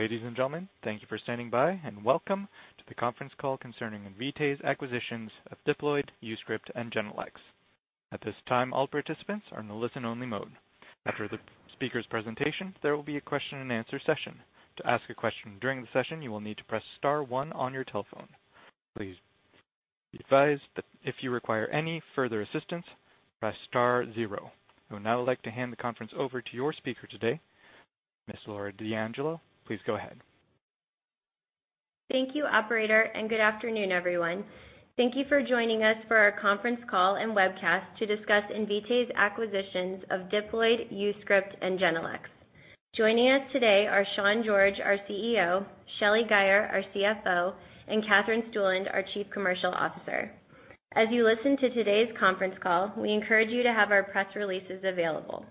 Ladies and gentlemen, thank you for standing by. Welcome to the conference call concerning Invitae's acquisitions of Diploid, YouScript, and Genelex. At this time, all participants are in a listen-only mode. After the speaker's presentation, there will be a question and answer session. To ask a question during the session, you will need to press star one on your telephone. Please be advised that if you require any further assistance, press star zero. I would now like to hand the conference over to your speaker today, Ms. Laura D'Angelo. Please go ahead. Thank you, operator, and good afternoon, everyone. Thank you for joining us for our conference call and webcast to discuss Invitae's acquisitions of Diploid, YouScript, and Genelex. Joining us today are Sean George, our CEO, Shelly Guyer, our CFO, and Katherine Stueland, our Chief Commercial Officer. As you listen to today's conference call, we encourage you to have our press releases available.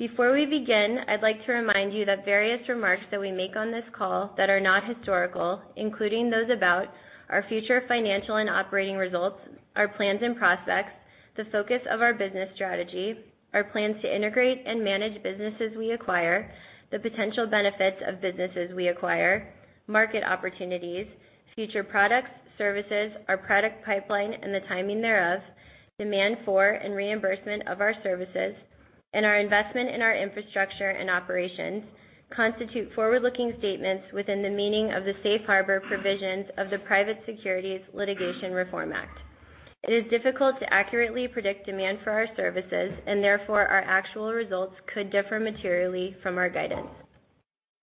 Before we begin, I'd like to remind you that various remarks that we make on this call that are not historical, including those about our future financial and operating results, our plans and prospects, the focus of our business strategy, our plans to integrate and manage businesses we acquire, the potential benefits of businesses we acquire, market opportunities, future products, services, our product pipeline, and the timing thereof, demand for and reimbursement of our services, and our investment in our infrastructure and operations, constitute forward-looking statements within the meaning of the safe harbor provisions of the Private Securities Litigation Reform Act. It is difficult to accurately predict demand for our services, and therefore, our actual results could differ materially from our guidance.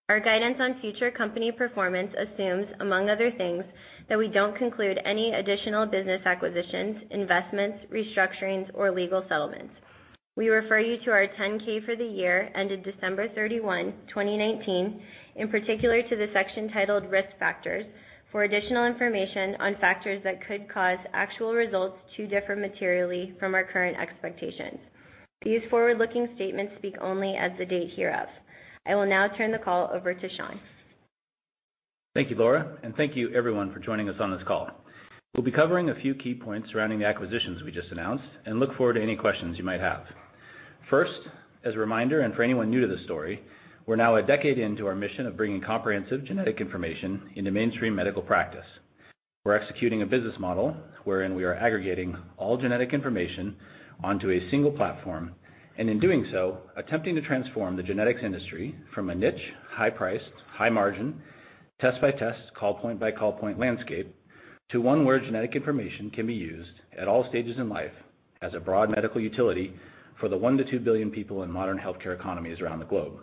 Our guidance on future company performance assumes, among other things, that we don't conclude any additional business acquisitions, investments, restructurings, or legal settlements. We refer you to our 10-K for the year ended December 31, 2019. In particular, to the section titled Risk Factors for additional information on factors that could cause actual results to differ materially from our current expectations. These forward-looking statements speak only as of the date hereof. I will now turn the call over to Sean. Thank you, Laura, and thank you everyone for joining us on this call. We'll be covering a few key points surrounding the acquisitions we just announced and look forward to any questions you might have. First, as a reminder, and for anyone new to this story, we're now a decade into our mission of bringing comprehensive genetic information into mainstream medical practice. We're executing a business model wherein we are aggregating all genetic information onto a single platform, and in doing so, attempting to transform the genetics industry from a niche, high-priced, high-margin test by test, call point by call point landscape to one where genetic information can be used at all stages in life as a broad medical utility for the one to two billion people in modern healthcare economies around the globe.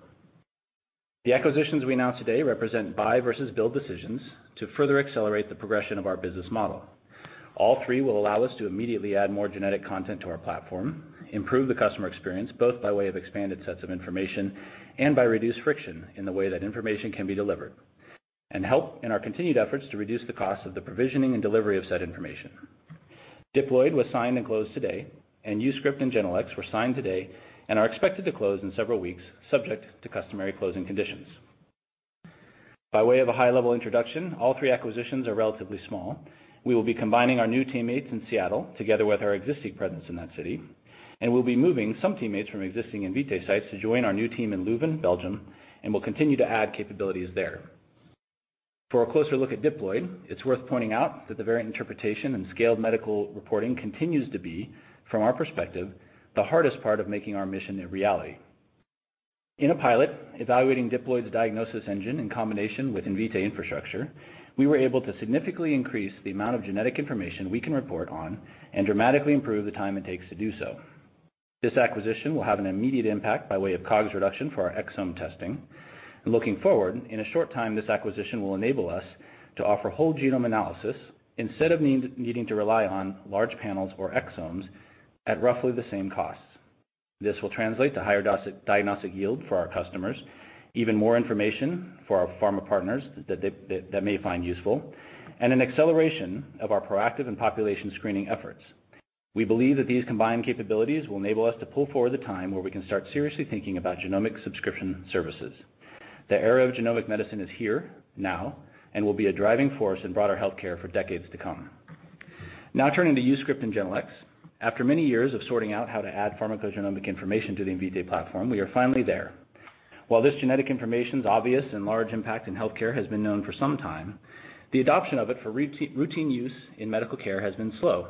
The acquisitions we announce today represent buy versus build decisions to further accelerate the progression of our business model. All three will allow us to immediately add more genetic content to our platform, improve the customer experience, both by way of expanded sets of information and by reduced friction in the way that information can be delivered, and help in our continued efforts to reduce the cost of the provisioning and delivery of said information. Diploid was signed and closed today, and YouScript and Genelex were signed today and are expected to close in several weeks, subject to customary closing conditions. By way of a high-level introduction, all three acquisitions are relatively small. We will be combining our new teammates in Seattle together with our existing presence in that city, and we'll be moving some teammates from existing Invitae sites to join our new team in Leuven, Belgium, and we'll continue to add capabilities there. For a closer look at Diploid, it's worth pointing out that the variant interpretation and scaled medical reporting continues to be, from our perspective, the hardest part of making our mission a reality. In a pilot evaluating Diploid's diagnosis engine in combination with Invitae infrastructure, we were able to significantly increase the amount of genetic information we can report on and dramatically improve the time it takes to do so. This acquisition will have an immediate impact by way of COGS reduction for our exome testing. Looking forward, in a short time, this acquisition will enable us to offer whole genome analysis instead of needing to rely on large panels or exomes at roughly the same cost. This will translate to higher diagnostic yield for our customers, even more information for our pharma partners that they may find useful, and an acceleration of our proactive and population screening efforts. We believe that these combined capabilities will enable us to pull forward the time where we can start seriously thinking about genomic subscription services. The era of genomic medicine is here now and will be a driving force in broader healthcare for decades to come. Turning to YouScript and Genelex. After many years of sorting out how to add pharmacogenomic information to the Invitae platform, we are finally there. While this genetic information's obvious and large impact in healthcare has been known for some time, the adoption of it for routine use in medical care has been slow.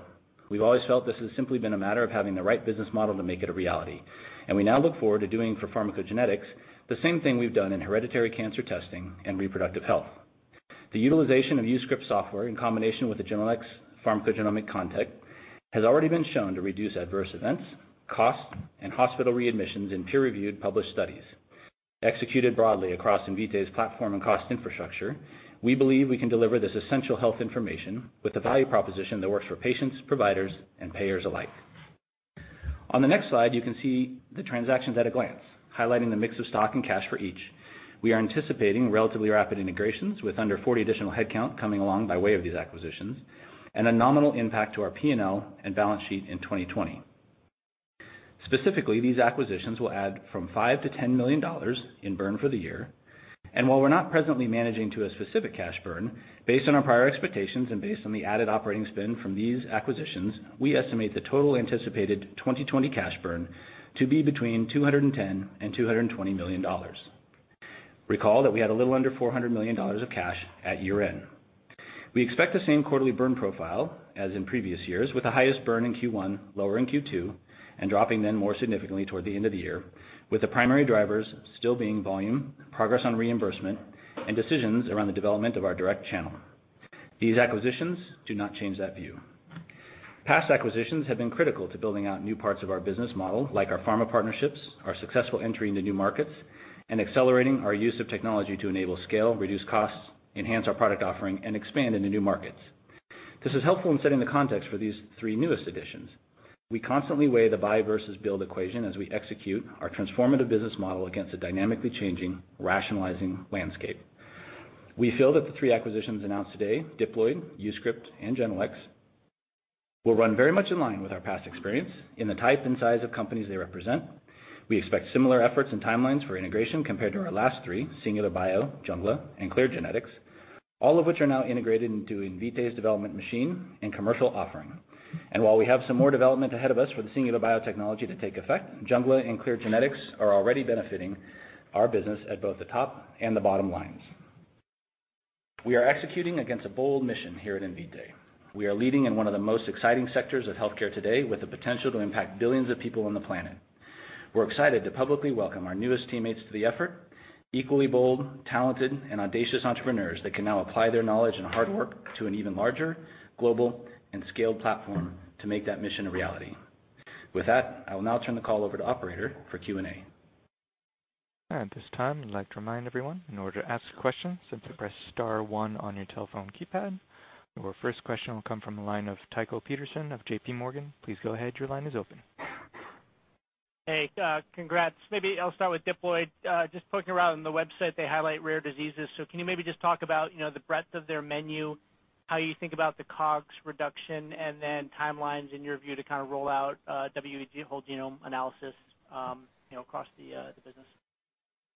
We've always felt this has simply been a matter of having the right business model to make it a reality, and we now look forward to doing for pharmacogenetics the same thing we've done in hereditary cancer testing and reproductive health. The utilization of YouScript software in combination with the Genelex pharmacogenomic context has already been shown to reduce adverse events, costs, and hospital readmissions in peer-reviewed published studies. Executed broadly across Invitae's platform and cost infrastructure, we believe we can deliver this essential health information with a value proposition that works for patients, providers, and payers alike. On the next slide, you can see the transactions at a glance, highlighting the mix of stock and cash for each. We are anticipating relatively rapid integrations with under 40 additional headcount coming along by way of these acquisitions and a nominal impact to our P&L and balance sheet in 2020. Specifically, these acquisitions will add from $5 million-$10 million in burn for the year. While we're not presently managing to a specific cash burn, based on our prior expectations and based on the added operating spend from these acquisitions, we estimate the total anticipated 2020 cash burn to be between $210 million and $220 million. Recall that we had a little under $400 million of cash at year-end. We expect the same quarterly burn profile as in previous years, with the highest burn in Q1, lower in Q2, and dropping then more significantly toward the end of the year, with the primary drivers still being volume, progress on reimbursement, and decisions around the development of our direct channel. These acquisitions do not change that view. Past acquisitions have been critical to building out new parts of our business model, like our pharma partnerships, our successful entry into new markets, and accelerating our use of technology to enable scale, reduce costs, enhance our product offering, and expand into new markets. This is helpful in setting the context for these three newest additions. We constantly weigh the buy versus build equation as we execute our transformative business model against a dynamically changing, rationalizing landscape. We feel that the three acquisitions announced today, Diploid, YouScript, and Genelex, will run very much in line with our past experience in the type and size of companies they represent. We expect similar efforts and timelines for integration compared to our last three, Singular Bio, Jungla, and Clear Genetics, all of which are now integrated into Invitae's development machine and commercial offering. While we have some more development ahead of us for the Singular Bio technology to take effect, Jungla and Clear Genetics are already benefiting our business at both the top and the bottom lines. We are executing against a bold mission here at Invitae. We are leading in one of the most exciting sectors of healthcare today with the potential to impact billions of people on the planet. We're excited to publicly welcome our newest teammates to the effort, equally bold, talented, and audacious entrepreneurs that can now apply their knowledge and hard work to an even larger global and scaled platform to make that mission a reality. With that, I will now turn the call over to operator for Q&A. At this time, I'd like to remind everyone, in order to ask a question, simply press star one on your telephone keypad. Our first question will come from the line of Tycho Peterson of J.P. Morgan. Please go ahead. Your line is open. Hey, congrats. Maybe I'll start with Diploid. Just poking around on the website, they highlight rare diseases. Can you maybe just talk about the breadth of their menu, how you think about the COGS reduction, and then timelines, in your view, to kind of roll out whole genome analysis, across the business?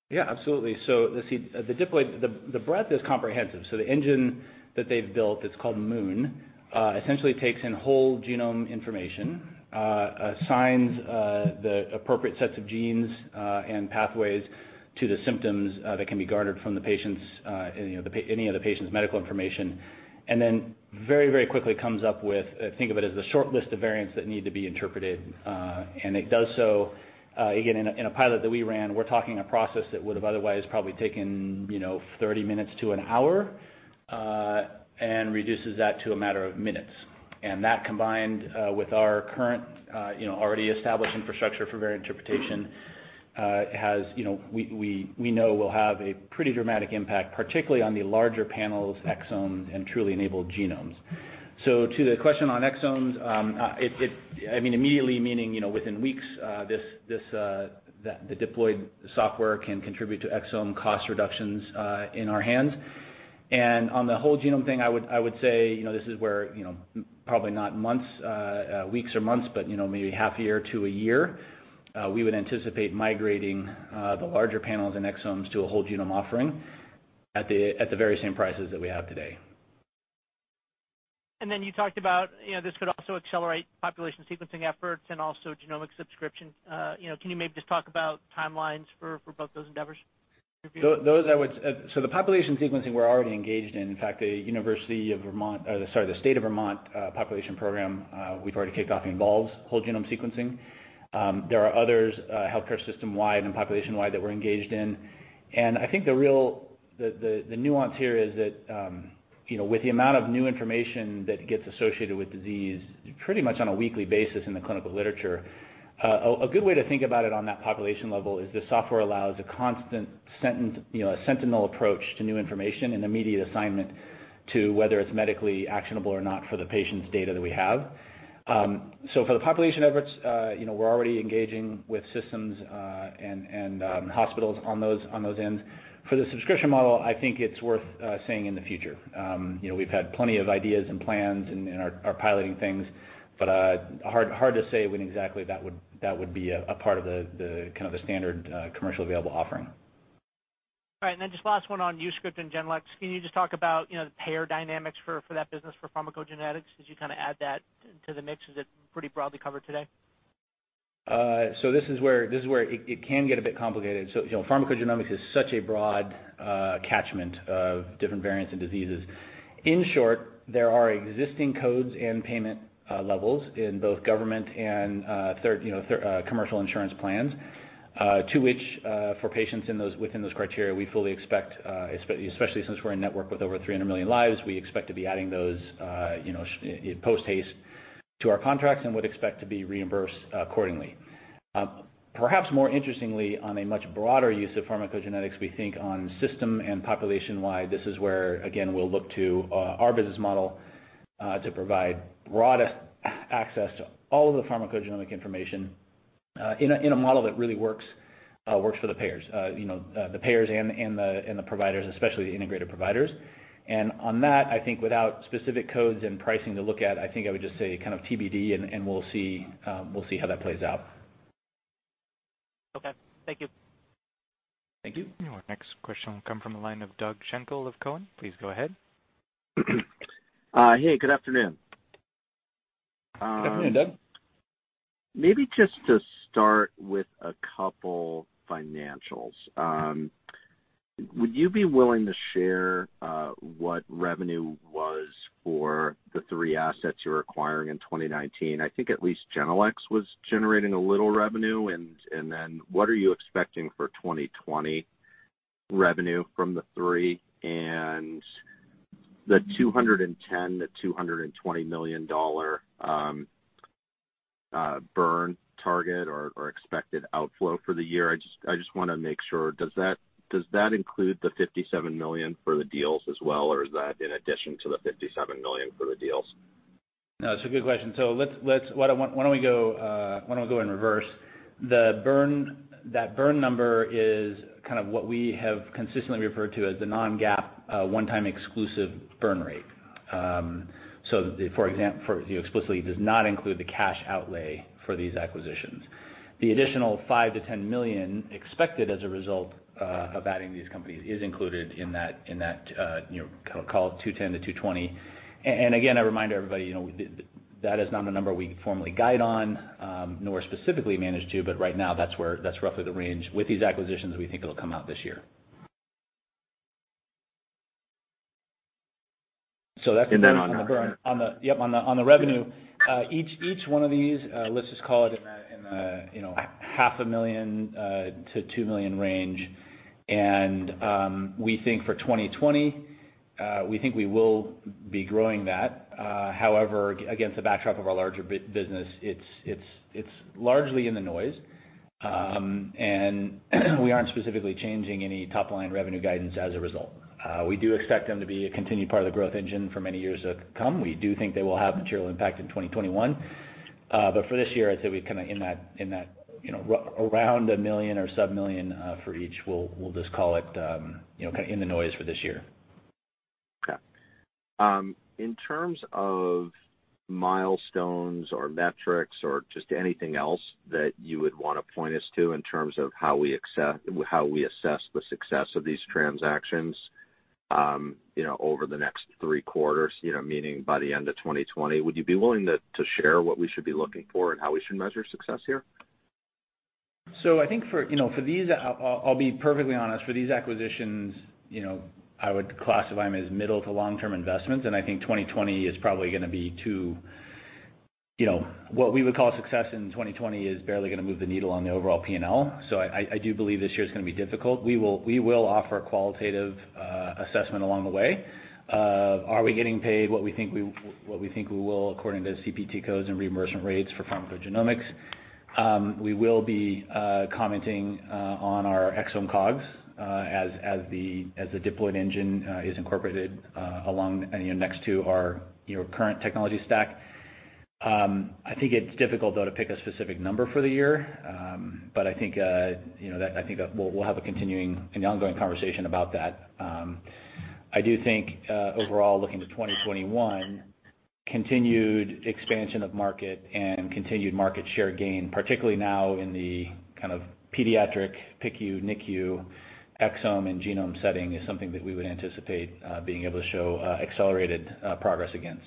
Yeah, absolutely. Let's see, the Diploid, the breadth is comprehensive. The engine that they've built, it's called Moon, essentially takes in whole genome information, assigns the appropriate sets of genes and pathways to the symptoms that can be garnered from any of the patient's medical information, and then very, very quickly comes up with, think of it as the short list of variants that need to be interpreted. It does so, again, in a pilot that we ran, we're talking a process that would have otherwise probably taken 30 minutes to an hour, and reduces that to a matter of minutes. That combined, with our current, already established infrastructure for variant interpretation, we know will have a pretty dramatic impact, particularly on the larger panels, exomes, and truly enabled genomes. To the question on exomes, immediately meaning, within weeks, the Diploid software can contribute to exome cost reductions in our hands. On the whole genome thing, I would say, this is where, probably not weeks or months, but maybe half a year to a year, we would anticipate migrating the larger panels and exomes to a whole genome offering at the very same prices that we have today. You talked about this could also accelerate population sequencing efforts and also genomic subscription. Can you maybe just talk about timelines for both those endeavors? The population sequencing we're already engaged in. In fact, the State of Vermont population program we've already kicked off involves whole genome sequencing. There are others, healthcare system-wide and population-wide that we're engaged in. I think the nuance here is that with the amount of new information that gets associated with disease pretty much on a weekly basis in the clinical literature, a good way to think about it on that population level is this software allows a constant sentinel approach to new information and immediate assignment to whether it's medically actionable or not for the patient's data that we have. For the population efforts, we're already engaging with systems and hospitals on those ends. For the subscription model, I think it's worth seeing in the future. We've had plenty of ideas and plans and are piloting things, but hard to say when exactly that would be a part of the standard commercially available offering. All right. Just last one on YouScript and Genelex. Can you just talk about the payer dynamics for that business for pharmacogenomics as you kind of add that into the mix? Is it pretty broadly covered today? This is where it can get a bit complicated. Pharmacogenomics is such a broad catchment of different variants and diseases. In short, there are existing codes and payment levels in both government and commercial insurance plans, to which, for patients within those criteria, we fully expect, especially since we're in network with over 300 million lives, we expect to be adding those posthaste to our contracts and would expect to be reimbursed accordingly. Perhaps more interestingly, on a much broader use of pharmacogenetics, we think on system and population-wide, this is where, again, we'll look to our business model, to provide broad access to all of the pharmacogenomic information, in a model that really works for the payers, the payers and the providers, especially the integrated providers. On that, I think without specific codes and pricing to look at, I think I would just say kind of TBD and we'll see how that plays out. Okay. Thank you. Thank you. Our next question will come from the line of Doug Schenkel of Cowen. Please go ahead. Hey, good afternoon. Good afternoon, Doug. Maybe just to start with a couple financials. Okay. Would you be willing to share what revenue was for the three assets you're acquiring in 2019? I think at least Genelex was generating a little revenue. Then what are you expecting for 2020 revenue from the three? The $210 million-$220 million burn target or expected outflow for the year, I just want to make sure, does that include the $57 million for the deals as well, or is that in addition to the $57 million for the deals? No, it's a good question. Why don't we go in reverse? That burn number is what we have consistently referred to as the non-GAAP, one-time exclusive burn rate. For you explicitly, it does not include the cash outlay for these acquisitions. The additional $5 million-$10 million expected as a result of adding these companies is included in that, call it $210 million-$220 million. Again, I remind everybody, that is not a number we formally guide on, nor specifically manage to, but right now that's roughly the range with these acquisitions, we think it'll come out this year. And then on the- Yep, on the revenue. Each one of these, let's just call it in the $500,000 to $2 million range. We think for 2020, we think we will be growing that. However, against the backdrop of our larger business, it's largely in the noise. We aren't specifically changing any top-line revenue guidance as a result. We do expect them to be a continued part of the growth engine for many years to come. We do think they will have material impact in 2021. For this year, I'd say we're in that around $1 million or sub-$1 million for each, we'll just call it in the noise for this year. Okay. In terms of milestones or metrics or just anything else that you would want to point us to in terms of how we assess the success of these transactions over the next three quarters, meaning by the end of 2020, would you be willing to share what we should be looking for and how we should measure success here? I'll be perfectly honest, for these acquisitions, I would classify them as middle to long-term investments, and I think 2020 is probably going to be too. What we would call success in 2020 is barely going to move the needle on the overall P&L. I do believe this year's going to be difficult. We will offer a qualitative assessment along the way. Are we getting paid what we think we will according to CPT codes and reimbursement rates for pharmacogenomics? We will be commenting on our exome COGS as the Diploid engine is incorporated next to our current technology stack. I think it's difficult, though, to pick a specific number for the year. I think that we'll have a continuing, an ongoing conversation about that. I do think overall looking to 2021, continued expansion of market and continued market share gain, particularly now in the pediatric PICU, NICU, exome, and genome setting, is something that we would anticipate being able to show accelerated progress against.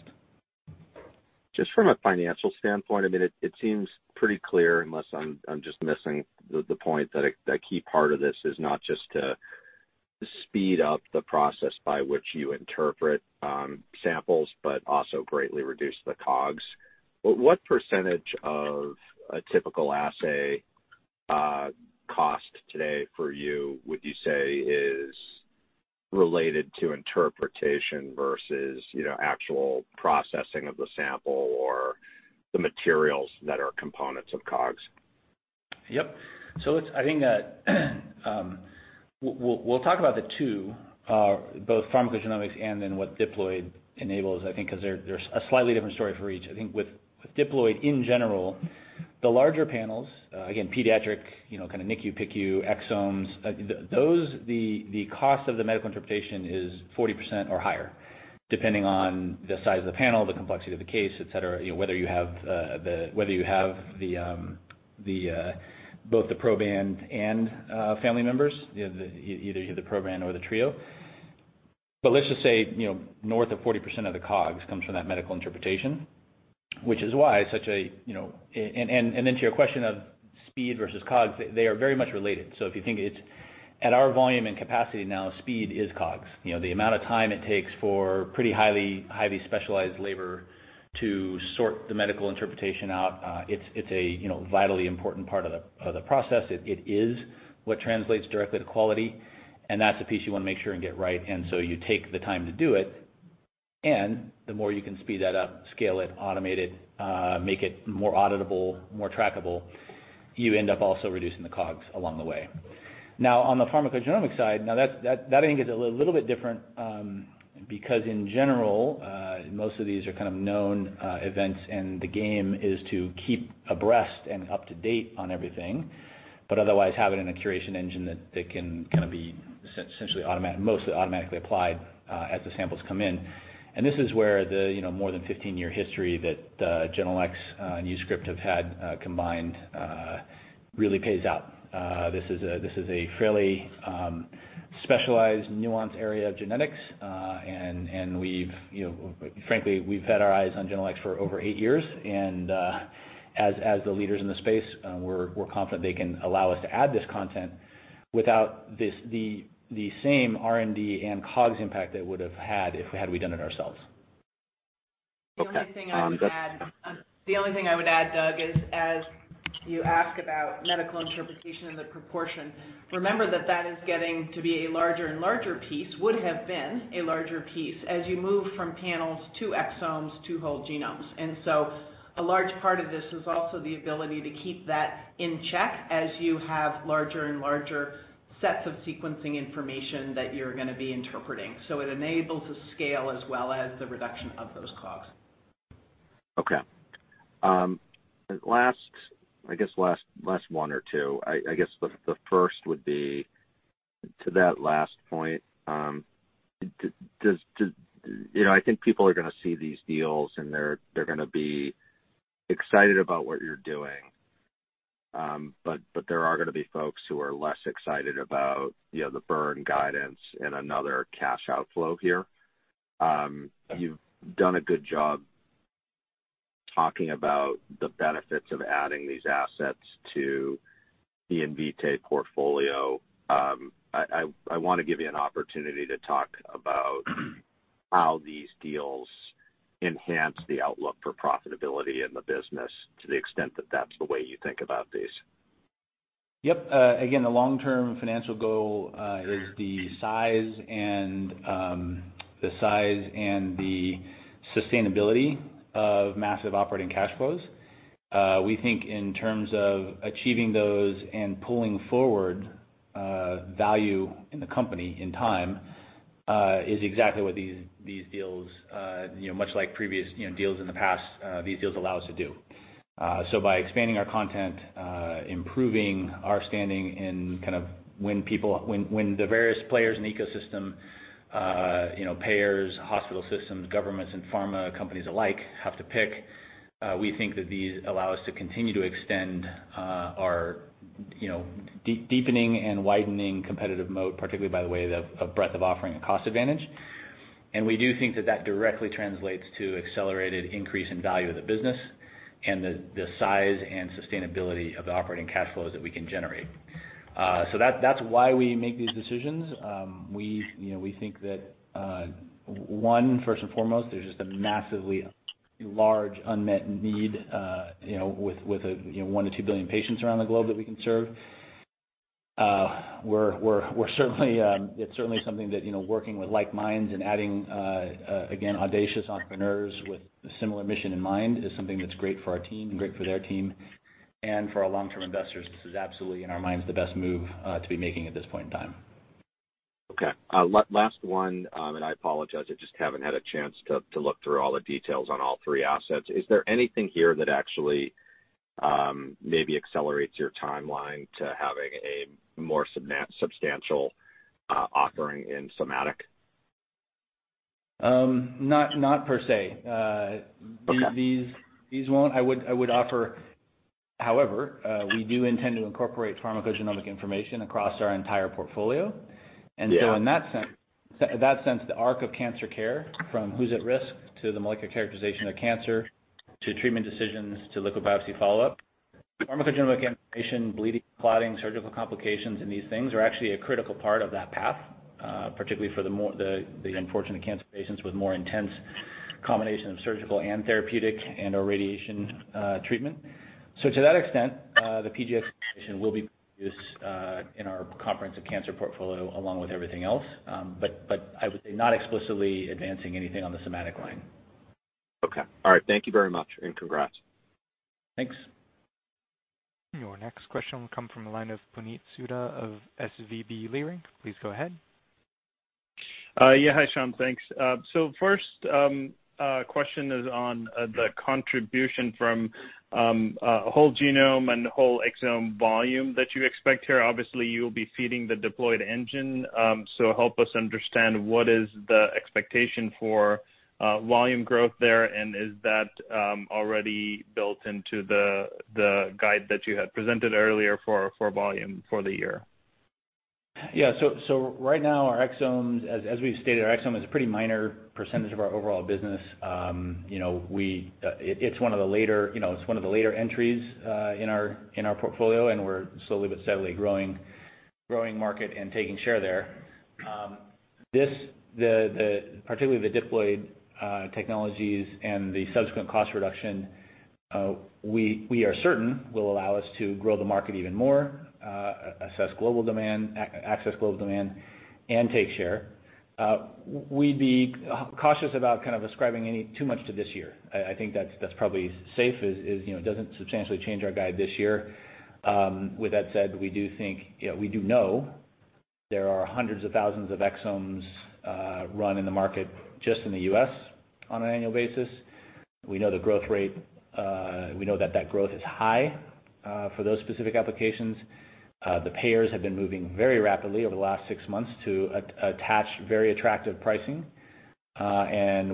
Just from a financial standpoint, it seems pretty clear, unless I'm just missing the point, that a key part of this is not just to speed up the process by which you interpret samples, but also greatly reduce the COGS. What percentage of a typical assay cost today for you would you say is related to interpretation versus actual processing of the sample or the materials that are components of COGS? Yep. I think that we'll talk about the two, both pharmacogenomics and then what Diploid enables, I think because they're a slightly different story for each. I think with Diploid in general, the larger panels, again, pediatric, NICU, PICU, exomes, the cost of the medical interpretation is 40% or higher, depending on the size of the panel, the complexity of the case, et cetera, whether you have both the proband and family members, either the proband or the trio. Let's just say north of 40% of the COGS comes from that medical interpretation. To your question of speed versus COGS, they are very much related. If you think it's at our volume and capacity now, speed is COGS. The amount of time it takes for pretty highly specialized labor to sort the medical interpretation out, it's a vitally important part of the process. It is what translates directly to quality, and that's the piece you want to make sure and get right. You take the time to do it, and the more you can speed that up, scale it, automate it, make it more auditable, more trackable, you end up also reducing the COGS along the way. On the pharmacogenomics side, that I think is a little bit different, because in general, most of these are known events, and the game is to keep abreast and up to date on everything, but otherwise have it in a curation engine that can be mostly automatically applied as the samples come in. This is where the more than 15-year history that Genelex and YouScript have had combined really pays out. This is a fairly specialized, nuanced area of genetics, and frankly, we've had our eyes on Genelex for over eight years. As the leaders in the space, we're confident they can allow us to add this content without the same R&D and COGS impact it would have had if had we done it ourselves. Okay. The only thing I would add, Doug, is as you ask about medical interpretation and the proportion, remember that that is getting to be a larger and larger piece, would have been a larger piece, as you move from panels to exomes to whole genomes. A large part of this is also the ability to keep that in check as you have larger and larger sets of sequencing information that you're going to be interpreting. It enables a scale as well as the reduction of those costs. Okay. Last one or two. I guess the first would be to that last point. I think people are going to see these deals, and they're going to be excited about what you're doing. There are going to be folks who are less excited about the burn guidance and another cash outflow here. You've done a good job talking about the benefits of adding these assets to the Invitae portfolio. I want to give you an opportunity to talk about how these deals enhance the outlook for profitability in the business to the extent that's the way you think about these. Yep. Again, the long-term financial goal is the size and the sustainability of massive operating cash flows. We think in terms of achieving those and pulling forward value in the company in time, is exactly what these deals, much like previous deals in the past, these deals allow us to do. By expanding our content, improving our standing in when the various players in the ecosystem, payers, hospital systems, governments, and pharma companies alike have to pick, we think that these allow us to continue to extend our deepening and widening competitive moat, particularly by way of breadth of offering and cost advantage. We do think that that directly translates to accelerated increase in value of the business and the size and sustainability of the operating cash flows that we can generate. That's why we make these decisions. We think that, one, first and foremost, there's just a massively large unmet need, with one to two billion patients around the globe that we can serve. It's certainly something that, working with like minds and adding, again, audacious entrepreneurs with a similar mission in mind, is something that's great for our team and great for their team and for our long-term investors. This is absolutely, in our minds, the best move to be making at this point in time. Okay. Last one, and I apologize, I just haven't had a chance to look through all the details on all three assets. Is there anything here that actually maybe accelerates your timeline to having a more substantial offering in somatic? Not per se. Okay. These won't. I would offer, however, we do intend to incorporate pharmacogenomic information across our entire portfolio. Yeah. In that sense, the arc of cancer care, from who's at risk, to the molecular characterization of cancer, to treatment decisions, to liquid biopsy follow-up. Pharmacogenomic information, bleeding, clotting, surgical complications, and these things are actually a critical part of that path, particularly for the unfortunate cancer patients with more intense combination of surgical and therapeutic and/or radiation treatment. To that extent, the PGx information will be produced in our comprehensive cancer portfolio along with everything else. I would say not explicitly advancing anything on the somatic line. Okay. All right. Thank you very much, and congrats. Thanks. Your next question will come from the line of Puneet Souda of SVB Leerink. Please go ahead. Yeah. Hi, Sean. Thanks. First question is on the contribution from whole genome and whole exome volume that you expect here. Obviously, you'll be feeding the Diploid engine, so help us understand what is the expectation for volume growth there, and is that already built into the guide that you had presented earlier for volume for the year? Right now, our exomes, as we've stated, our exome is a pretty minor percentage of our overall business. It's one of the later entries in our portfolio, and we're slowly but steadily growing market and taking share there. Particularly the Diploid technologies and the subsequent cost reduction, we are certain will allow us to grow the market even more, access global demand, and take share. We'd be cautious about kind of ascribing too much to this year. I think that's probably safe, is it doesn't substantially change our guide this year. With that said, we do know there are hundreds of thousands of exomes run in the market just in the U.S. on an annual basis. We know that growth is high for those specific applications. The payers have been moving very rapidly over the last six months to attach very attractive pricing.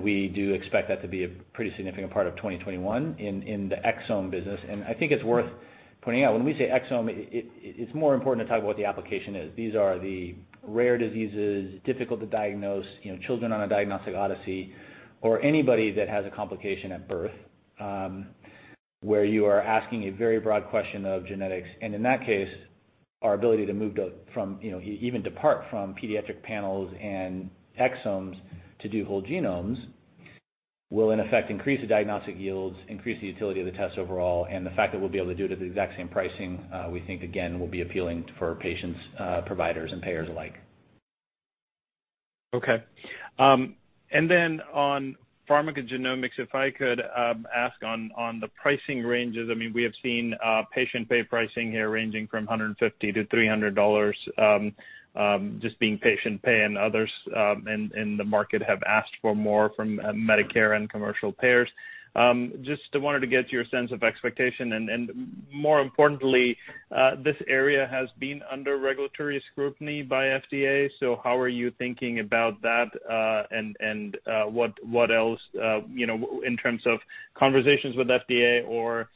We do expect that to be a pretty significant part of 2021 in the exome business. I think it's worth pointing out, when we say exome, it's more important to talk about what the application is. These are the rare diseases, difficult to diagnose, children on a diagnostic odyssey, or anybody that has a complication at birth, where you are asking a very broad question of genetics. In that case, our ability to even depart from pediatric panels and exomes to do whole genomes will, in effect, increase the diagnostic yields, increase the utility of the test overall. The fact that we'll be able to do it at the exact same pricing, we think, again, will be appealing for patients, providers, and payers alike. Okay. On pharmacogenomics, if I could ask on the pricing ranges. We have seen patient pay pricing here ranging from $150-$300, just being patient pay, and others in the market have asked for more from Medicare and commercial payers. Just wanted to get your sense of expectation, and more importantly, this area has been under regulatory scrutiny by FDA, so how are you thinking about that? What else in terms of conversations with FDA or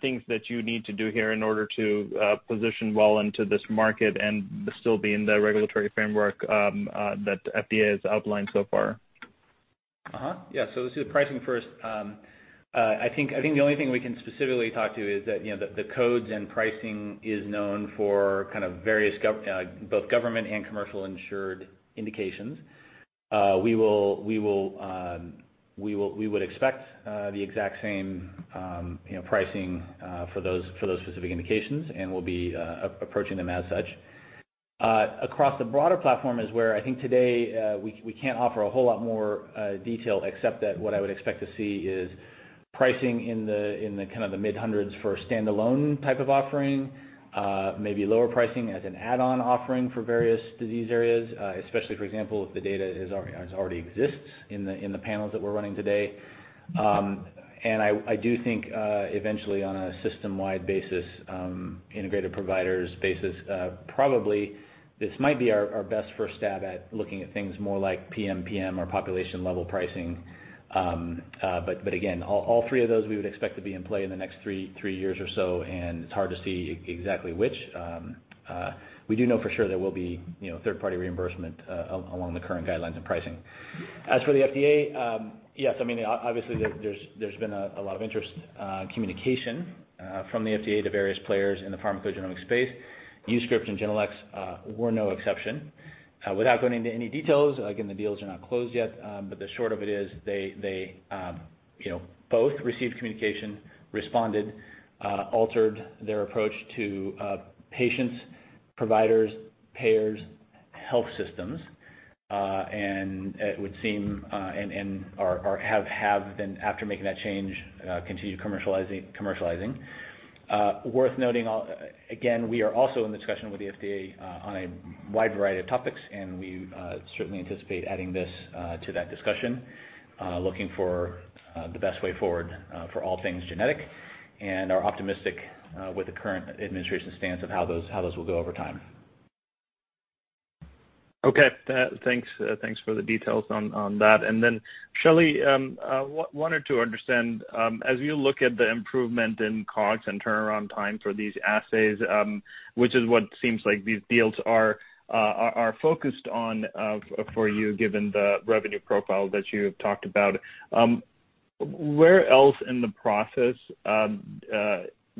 things that you need to do here in order to position well into this market and still be in the regulatory framework that FDA has outlined so far? Let's do the pricing first. I think the only thing we can specifically talk to is that the codes and pricing is known for both government and commercial insured indications. We would expect the exact same pricing for those specific indications, and we'll be approaching them as such. Across the broader platform is where I think today, we can't offer a whole lot more detail except that what I would expect to see is pricing in the mid-hundreds for a standalone type of offering. Maybe lower pricing as an add-on offering for various disease areas, especially, for example, if the data already exists in the panels that we're running today. I do think, eventually, on a system-wide basis, integrated providers basis, probably this might be our best first stab at looking at things more like PMPM or population-level pricing. Again, all three of those we would expect to be in play in the next three years or so, and it's hard to see exactly which. We do know for sure there will be third-party reimbursement along the current guidelines in pricing. As for the FDA, yes, obviously, there's been a lot of interest communication from the FDA to various players in the pharmacogenomics space. YouScript and Genelex were no exception. Without going into any details, again, the deals are not closed yet, but the short of it is they both received communication, responded, altered their approach to patients, providers, payers, health systems, and have been, after making that change, continued commercializing. Worth noting, again, we are also in discussion with the FDA on a wide variety of topics, and we certainly anticipate adding this to that discussion, looking for the best way forward for all things genetic, and are optimistic with the current administration's stance of how those will go over time. Okay. Thanks for the details on that. Shelly, wanted to understand, as you look at the improvement in COGS and turnaround time for these assays, which is what seems like these deals are focused on for you, given the revenue profile that you have talked about. Where else in the process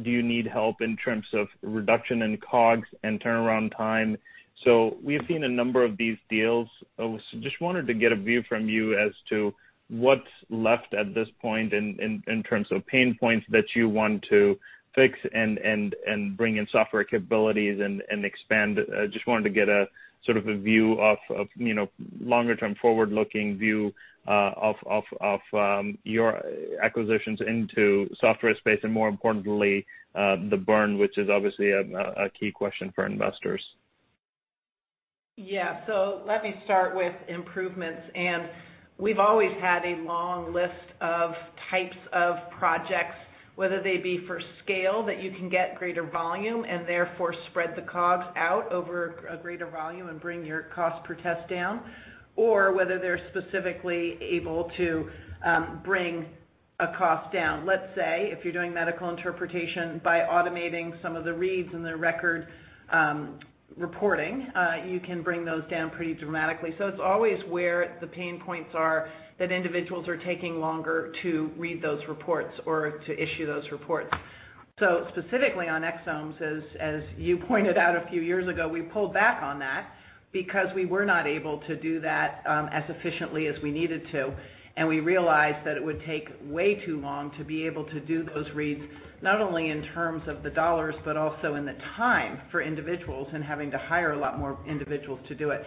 do you need help in terms of reduction in COGS and turnaround time? We've seen a number of these deals. Just wanted to get a view from you as to what's left at this point in terms of pain points that you want to fix and bring in software capabilities and expand. Just wanted to get a sort of a view of longer-term, forward-looking view of your acquisitions into software space and, more importantly, the burn, which is obviously a key question for investors. Yeah. Let me start with improvements. We've always had a long list of types of projects, whether they be for scale, that you can get greater volume and therefore spread the COGS out over a greater volume and bring your cost per test down, or whether they're specifically able to bring a cost down. Let's say, if you're doing medical interpretation, by automating some of the reads and the record reporting, you can bring those down pretty dramatically. It's always where the pain points are that individuals are taking longer to read those reports or to issue those reports. Specifically on exomes, as you pointed out a few years ago, we pulled back on that because we were not able to do that as efficiently as we needed to, and we realized that it would take way too long to be able to do those reads, not only in terms of the dollars, but also in the time for individuals and having to hire a lot more individuals to do it.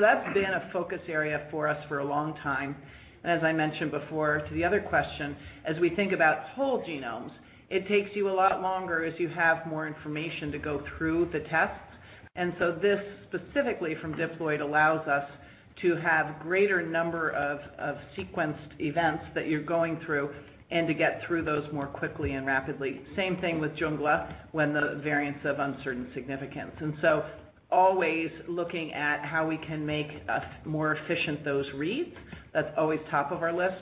That's been a focus area for us for a long time. As I mentioned before to the other question, as we think about whole genomes, it takes you a lot longer as you have more information to go through the tests. This specifically from Diploid allows us to have greater number of sequenced events that you're going through and to get through those more quickly and rapidly. Same thing with Jungla, when the variants of uncertain significance. Always looking at how we can make more efficient those reads. That's always top of our list.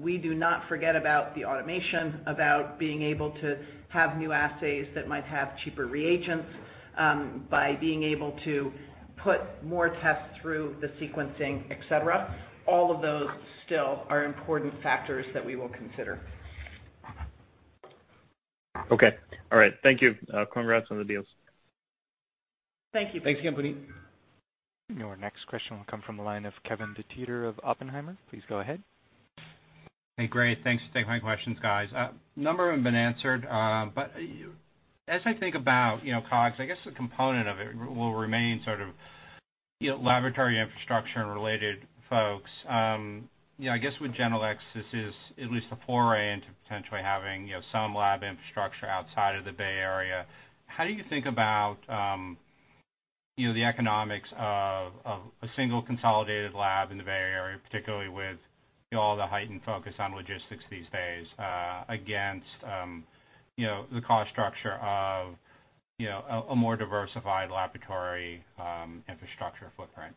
We do not forget about the automation, about being able to have new assays that might have cheaper reagents by being able to put more tests through the sequencing, et cetera. All of those still are important factors that we will consider. Okay. All right. Thank you. Congrats on the deals. Thank you. Thanks again, Puneet. Your next question will come from the line of Kevin DeGeeter of Oppenheimer. Please go ahead. Hey, great. Thanks. Taking my questions, guys. A number of them have been answered. As I think about COGS, I guess a component of it will remain sort of laboratory infrastructure and related folks. I guess with Genelex, this is at least a foray into potentially having some lab infrastructure outside of the Bay Area. How do you think about the economics of a single consolidated lab in the Bay Area, particularly with all the heightened focus on logistics these days, against the cost structure of a more diversified laboratory infrastructure footprint?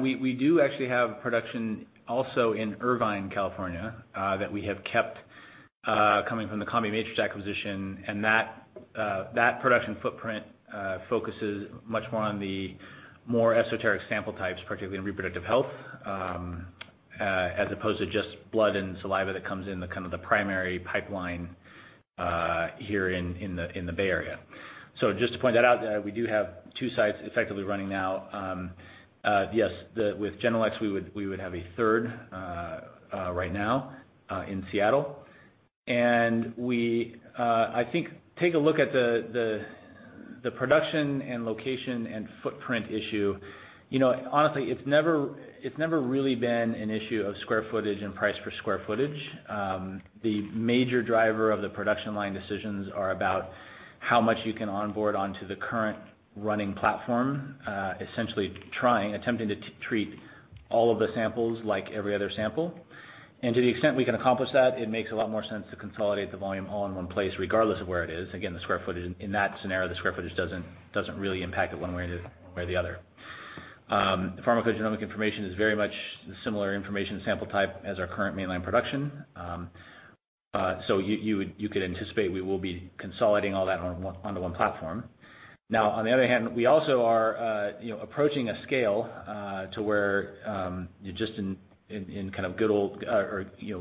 We do actually have production also in Irvine, California, that we have kept coming from the CombiMatrix acquisition. That production footprint focuses much more on the more esoteric sample types, particularly in reproductive health, as opposed to just blood and saliva that comes in the primary pipeline here in the Bay Area. Just to point that out, we do have two sites effectively running now. Yes, with Genelex, we would have a third right now in Seattle. I think take a look at the production and location and footprint issue. Honestly, it's never really been an issue of square footage and price per square footage. The major driver of the production line decisions are about how much you can onboard onto the current running platform, essentially attempting to treat all of the samples like every other sample. To the extent we can accomplish that, it makes a lot more sense to consolidate the volume all in one place, regardless of where it is. Again, in that scenario, the square footage doesn't really impact it one way or the other. pharmacogenomic information is very much the similar information sample type as our current mainline production. You could anticipate we will be consolidating all that onto one platform. On the other hand, we also are approaching a scale to where just in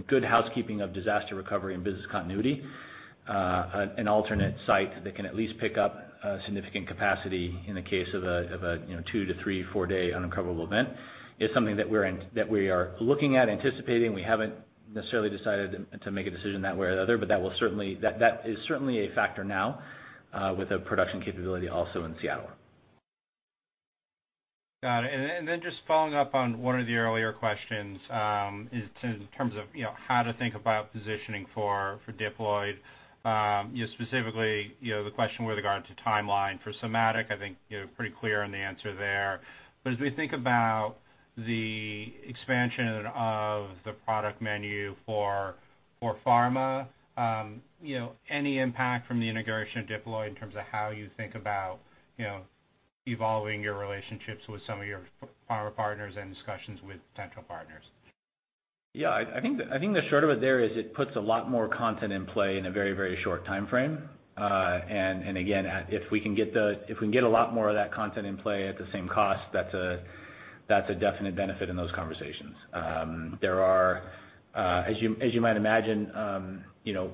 good housekeeping of disaster recovery and business continuity, an alternate site that can at least pick up significant capacity in the case of a two to three, four-day unrecoverable event is something that we are looking at anticipating. We haven't necessarily decided to make a decision that way or the other, but that is certainly a factor now with a production capability also in Seattle. Got it. Just following up on one of the earlier questions in terms of how to think about positioning for Diploid, specifically the question with regard to timeline for Somatic, I think you're pretty clear on the answer there. As we think about the expansion of the product menu for pharma, any impact from the integration of Diploid in terms of how you think about evolving your relationships with some of your pharma partners and discussions with potential partners? Yeah, I think the short of it there is it puts a lot more content in play in a very short timeframe. Again, if we can get a lot more of that content in play at the same cost, that's a definite benefit in those conversations. There are, as you might imagine,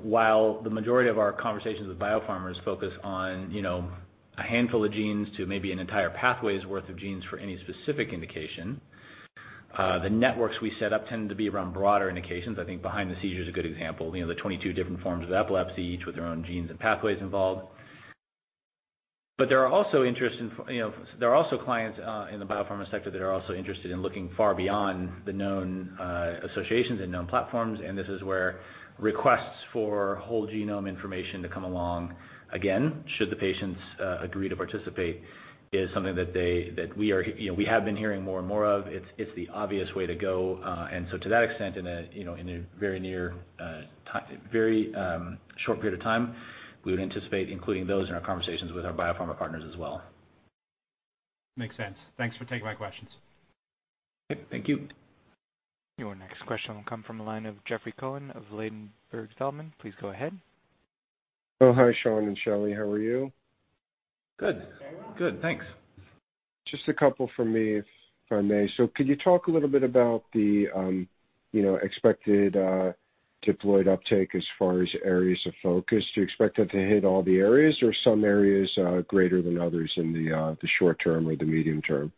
while the majority of our conversations with biopharmas focus on a handful of genes to maybe an entire pathway's worth of genes for any specific indication, the networks we set up tend to be around broader indications. I think Behind the Seizure is a good example. The 22 different forms of epilepsy, each with their own genes and pathways involved. There are also clients in the biopharma sector that are also interested in looking far beyond the known associations and known platforms, and this is where requests for whole genome information to come along, again, should the patients agree to participate, is something that we have been hearing more and more of. It's the obvious way to go. To that extent, in a very short period of time, we would anticipate including those in our conversations with our biopharma partners as well. Makes sense. Thanks for taking my questions. Thank you. Your next question will come from the line of Jeffrey Cohen of Ladenburg Thalmann. Please go ahead. Oh, hi, Sean and Shelly. How are you? Good. Good, thanks. Just a couple from me, if I may. Could you talk a little bit about the expected Diploid uptake as far as areas of focus? Do you expect that to hit all the areas or some areas greater than others in the short term or the medium term?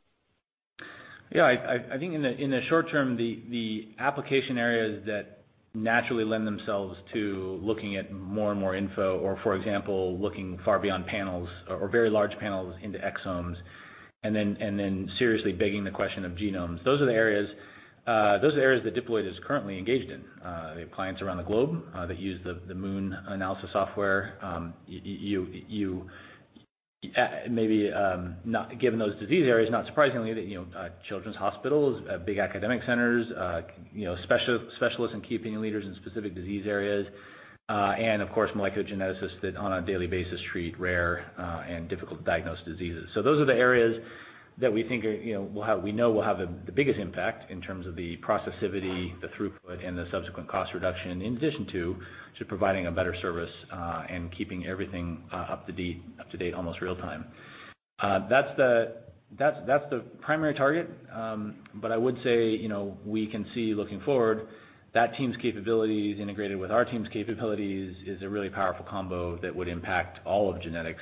Yeah, I think in the short term, the application areas that naturally lend themselves to looking at more and more info or, for example, looking far beyond panels or very large panels into exomes, and then seriously begging the question of genomes. Those are the areas that Diploid is currently engaged in. They have clients around the globe that use the Moon analysis software. Maybe given those disease areas, not surprisingly, children's hospitals, big academic centers, specialists and key opinion leaders in specific disease areas, and of course, molecular geneticists that on a daily basis treat rare and difficult-to-diagnose diseases. Those are the areas that we know will have the biggest impact in terms of the processivity, the throughput, and the subsequent cost reduction, in addition to providing a better service and keeping everything up to date almost real time. That's the primary target. I would say, we can see looking forward, that team's capabilities integrated with our team's capabilities is a really powerful combo that would impact all of genetics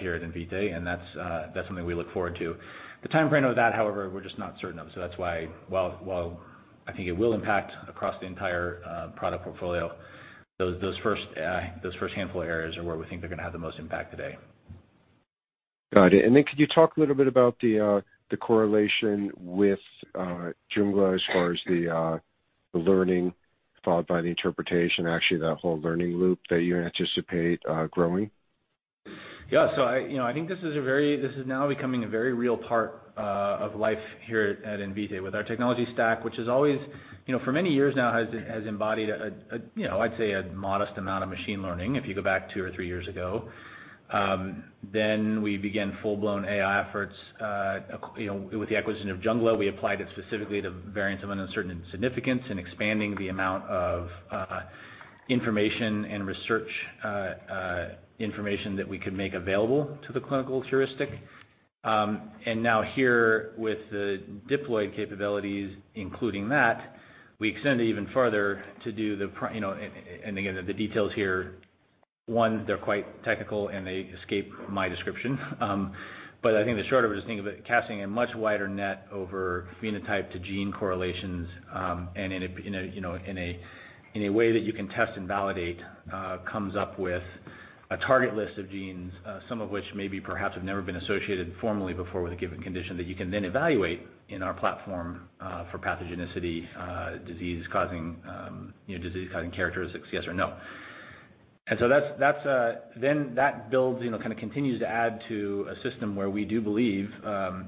here at Invitae, and that's something we look forward to. The timeframe of that, however, we're just not certain of, so that's why while I think it will impact across the entire product portfolio, those first handful of areas are where we think they're going to have the most impact today. Got it. Could you talk a little bit about the correlation with Jungla as far as the learning followed by the interpretation, actually, that whole learning loop that you anticipate growing? Yeah. I think this is now becoming a very real part of life here at Invitae with our technology stack, which for many years now has embodied, I'd say, a modest amount of machine learning, if you go back two or three years ago. We began full-blown AI efforts with the acquisition of Jungla. We applied it specifically to variants of uncertain significance and expanding the amount of information and research information that we could make available to the clinical heuristic. Now here with the Diploid capabilities, including that, we extend it even further and again, the details here, one, they're quite technical, and they escape my description. The short of it is think of it casting a much wider net over phenotype to gene correlations, and in a way that you can test and validate, comes up with a target list of genes, some of which maybe perhaps have never been associated formally before with a given condition that you can then evaluate in our platform for pathogenicity, disease-causing characteristics, yes or no. That builds, kind of continues to add to a system where we do believe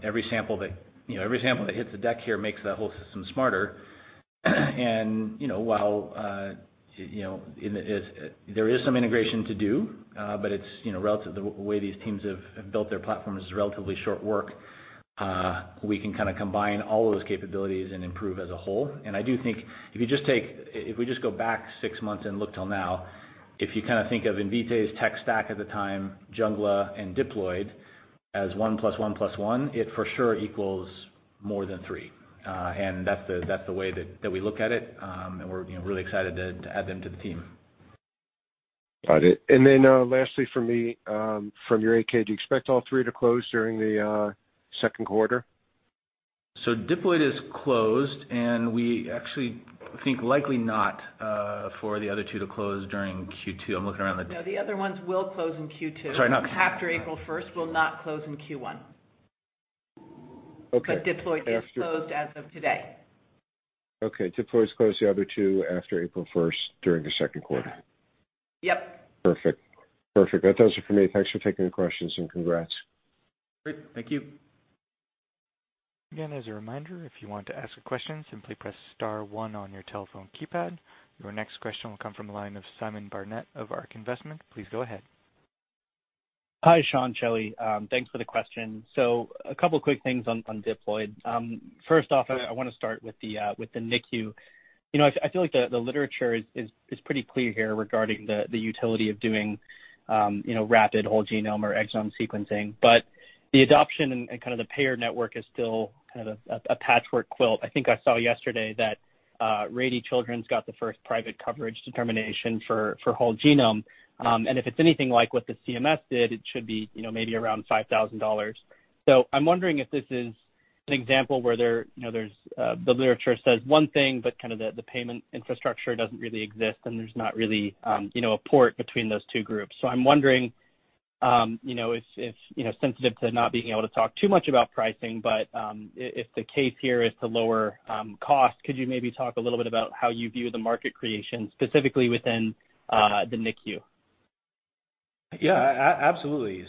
every sample that hits the deck here makes that whole system smarter. While there is some integration to do, but the way these teams have built their platform is relatively short work. We can kind of combine all of those capabilities and improve as a whole. I do think if we just go back six months and look till now, if you think of Invitae's tech stack at the time, Jungla and Diploid, as one plus one plus one, it for sure equals more than three. That's the way that we look at it, and we're really excited to add them to the team. Got it. Lastly from me, from your 8-K, do you expect all three to close during the second quarter? Diploid is closed, and we actually think likely not for the other two to close during Q2. No, the other ones will close in Q2. Sorry. After April 1st, will not close in Q1. Okay. Diploid is closed as of today. Okay. Diploid's closed, the other two after April 1st, during the second quarter. Yep. Perfect. Perfect. That does it for me. Thanks for taking the questions, and congrats. Great. Thank you. Again, as a reminder, if you want to ask a question, simply press star one on your telephone keypad. Your next question will come from the line of Simon Barnett of ARK Investment. Please go ahead. Hi, Sean, Shelly. Thanks for the question. A couple quick things on Diploid. First off, I want to start with the NICU. I feel like the literature is pretty clear here regarding the utility of doing rapid whole genome or exome sequencing. The adoption and kind of the payer network is still kind of a patchwork quilt. I think I saw yesterday that Rady Children's got the first private coverage determination for whole genome. If it's anything like what the CMS did, it should be maybe around $5,000. I'm wondering if this is an example where the literature says one thing, but the payment infrastructure doesn't really exist, and there's not really a port between those two groups. I'm wondering, sensitive to not being able to talk too much about pricing, but if the case here is to lower cost, could you maybe talk a little bit about how you view the market creation, specifically within the NICU? Yeah, absolutely.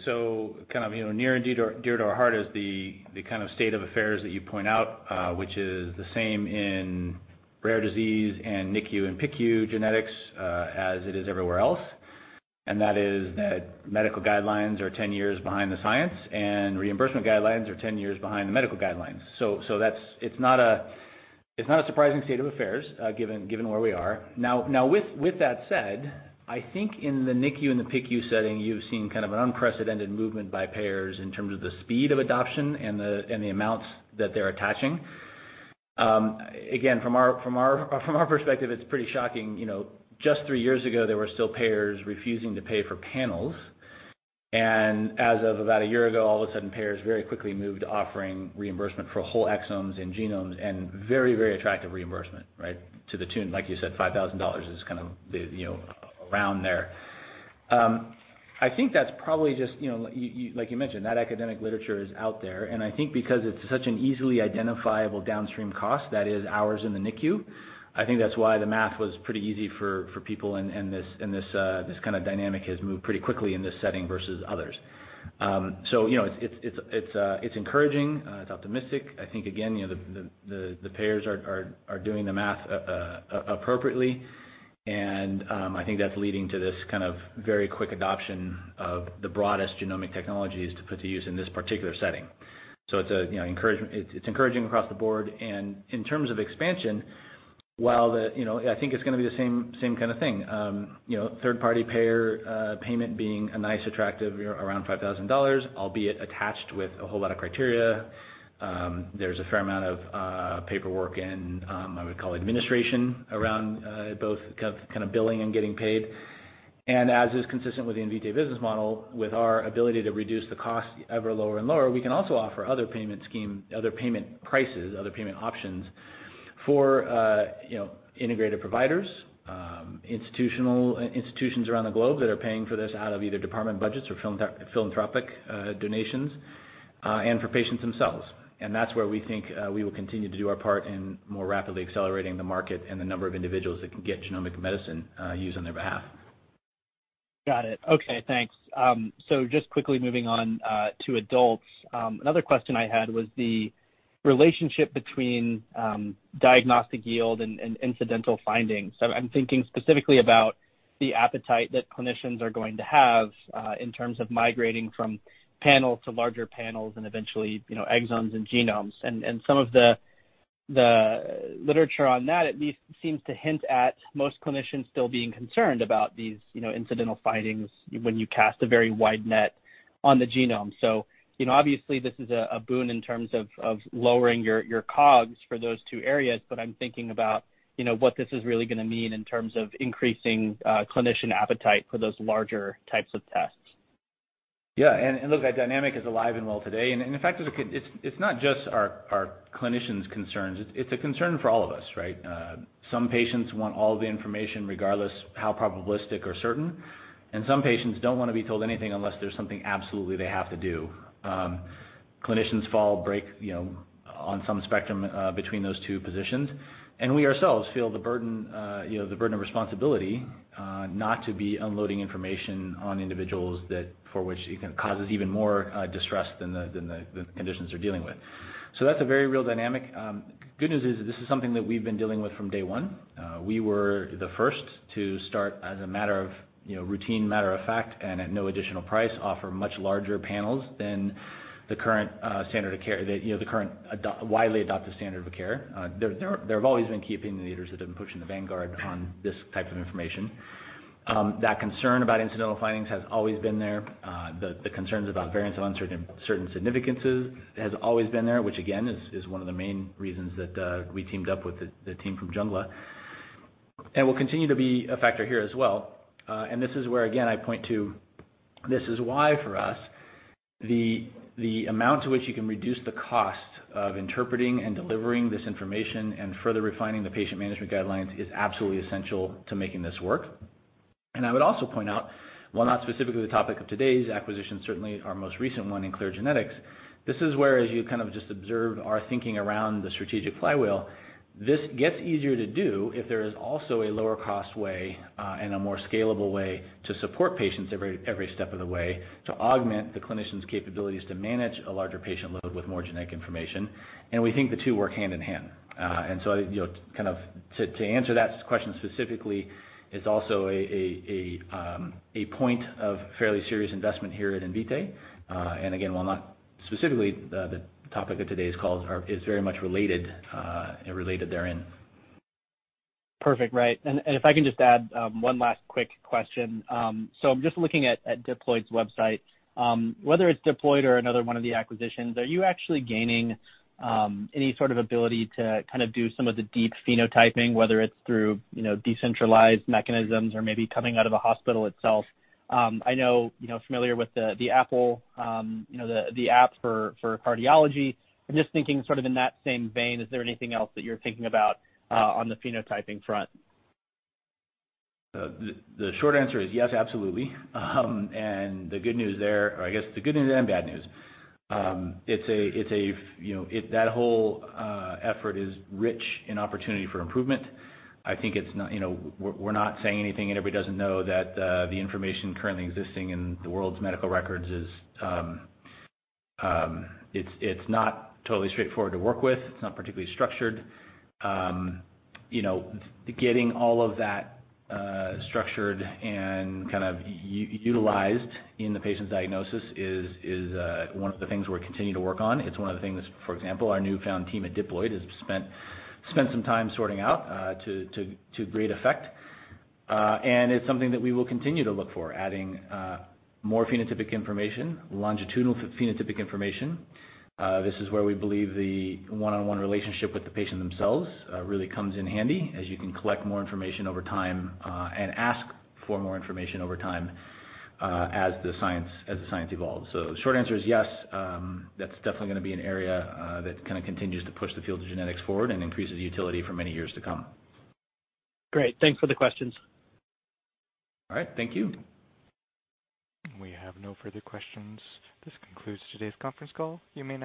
Kind of near and dear to our heart is the kind of state of affairs that you point out, which is the same in rare disease and NICU and PICU genetics as it is everywhere else, and that is that medical guidelines are 10 years behind the science, and reimbursement guidelines are 10 years behind the medical guidelines. It's not a surprising state of affairs, given where we are. Now, with that said, I think in the NICU and the PICU setting, you've seen kind of an unprecedented movement by payers in terms of the speed of adoption and the amounts that they're attaching. Again, from our perspective, it's pretty shocking. Just three years ago, there were still payers refusing to pay for panels. As of about one year ago, all of a sudden, payers very quickly moved to offering reimbursement for whole exomes and genomes and very, very attractive reimbursement. To the tune, like you said, $5,000 is kind of around there. I think that's probably just, like you mentioned, that academic literature is out there, and I think because it's such an easily identifiable downstream cost, that is hours in the NICU, I think that's why the math was pretty easy for people, and this kind of dynamic has moved pretty quickly in this setting versus others. It's encouraging. It's optimistic. I think, again, the payers are doing the math appropriately, and I think that's leading to this kind of very quick adoption of the broadest genomic technologies to put to use in this particular setting. It's encouraging across the board. In terms of expansion, while I think it's going to be the same kind of thing. Third-party payer payment being a nice attractive around $5,000, albeit attached with a whole lot of criteria. There's a fair amount of paperwork and I would call administration, around both billing and getting paid. As is consistent with the Invitae business model, with our ability to reduce the cost ever lower and lower, we can also offer other payment prices, other payment options for integrated providers, institutions around the globe that are paying for this out of either department budgets or philanthropic donations, and for patients themselves. That's where we think we will continue to do our part in more rapidly accelerating the market and the number of individuals that can get genomic medicine used on their behalf. Got it. Okay, thanks. Just quickly moving on to adults. Another question I had was the relationship between diagnostic yield and incidental findings. I'm thinking specifically about the appetite that clinicians are going to have in terms of migrating from panels to larger panels and eventually, exomes and genomes. Some of the literature on that at least seems to hint at most clinicians still being concerned about these incidental findings when you cast a very wide net on the genome. Obviously this is a boon in terms of lowering your COGS for those two areas, but I'm thinking about what this is really going to mean in terms of increasing clinician appetite for those larger types of tests. Yeah, and look, that dynamic is alive and well today. In fact, it's not just our clinicians' concerns, it's a concern for all of us, right? Some patients want all the information, regardless how probabilistic or certain, and some patients don't want to be told anything unless there's something absolutely they have to do. Clinicians fall on some spectrum between those two positions, and we ourselves feel the burden of responsibility not to be unloading information on individuals that for which it causes even more distress than the conditions they're dealing with. That's a very real dynamic. Good news is this is something that we've been dealing with from day one. We were the first to start as a matter of routine, matter of fact, and at no additional price, offer much larger panels than the current widely adopted standard of care. There have always been key opinion leaders that have been pushing the vanguard on this type of information. That concern about incidental findings has always been there. The concerns about variants of uncertain significance has always been there, which again, is one of the main reasons that we teamed up with the team from Jungla. And will continue to be a factor here as well. And this is where, again, I point to, this is why for us, the amount to which you can reduce the cost of interpreting and delivering this information and further refining the patient management guidelines is absolutely essential to making this work. I would also point out, while not specifically the topic of today's acquisition, certainly our most recent one in Clear Genetics, this is where, as you kind of just observed our thinking around the strategic flywheel, this gets easier to do if there is also a lower cost way, and a more scalable way to support patients every step of the way. To augment the clinicians' capabilities to manage a larger patient load with more genetic information. We think the two work hand in hand. To answer that question specifically, it's also a point of fairly serious investment here at Invitae. Again, while not specifically the topic of today's call, is very much related therein. Perfect. Right. If I can just add one last quick question. I'm just looking at Diploid's website. Whether it's Diploid or another one of the acquisitions, are you actually gaining any sort of ability to do some of the deep phenotyping, whether it's through decentralized mechanisms or maybe coming out of the hospital itself? I know, familiar with the app for cardiology. I'm just thinking sort of in that same vein, is there anything else that you're thinking about on the phenotyping front? The short answer is yes, absolutely. The good news there, or I guess the good news and bad news. That whole effort is rich in opportunity for improvement. We're not saying anything and everybody doesn't know that the information currently existing in the world's medical records is not totally straightforward to work with. It's not particularly structured. Getting all of that structured and utilized in the patient's diagnosis is one of the things we're continuing to work on. It's one of the things, for example, our newfound team at Diploid has spent some time sorting out to great effect. It's something that we will continue to look for, adding more phenotypic information, longitudinal phenotypic information. This is where we believe the one-on-one relationship with the patient themselves really comes in handy as you can collect more information over time, and ask for more information over time, as the science evolves. The short answer is yes, that's definitely going to be an area that kind of continues to push the field of genetics forward and increases utility for many years to come. Great. Thanks for the questions. All right. Thank you. We have no further questions. This concludes today's conference call. You may now.